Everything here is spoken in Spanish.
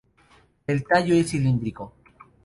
El tallo es cilíndrico.